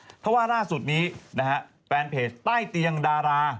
เพราะว่าล่าสุดนี้นะฮะแฟนเพจใต้เตียงดารา